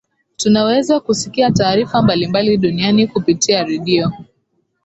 tunaweza kusikia taarifa mbalimbali duniani kupitia redio